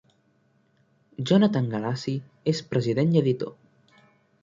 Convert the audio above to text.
Jonathan Galassi és president i editor.